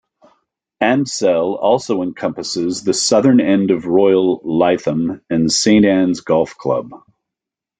Ansdell also encompasses the southern end of Royal Lytham and Saint Annes Golf Club.